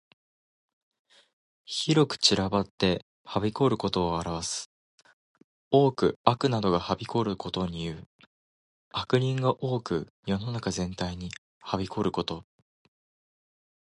広く散らばってはびこることを表す。多く悪などがはびこることにいう。悪人が多く世の中全体に蔓延ること。